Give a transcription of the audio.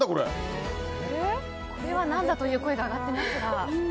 これは何だという声が上がってますが。